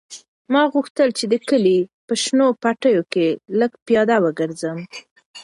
ما غوښتل چې د کلي په شنو پټیو کې لږ پیاده وګرځم.